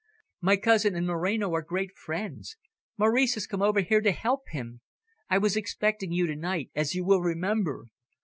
My cousin and Moreno are great friends. Maurice has come over here to help him. I was expecting you to night, as you will remember.